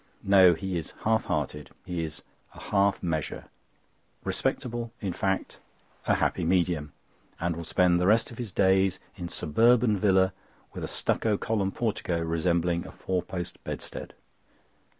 No, he is half hearted, he is a half measure—respectable—in fact, a happy medium, and will spend the rest of his days in a suburban villa with a stucco column portico, resembling a four post bedstead."